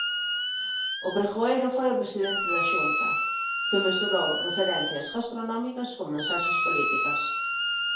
O pregoeiro foi o presidente da Xunta, que mesturou referencias gastronómicas con mensaxes políticas.